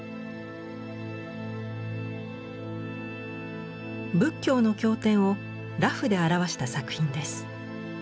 仏教の経典を裸婦で表した作品です。